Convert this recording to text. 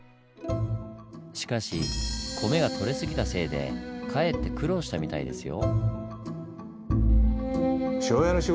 しかし米が取れすぎたせいでかえって苦労したみたいですよ。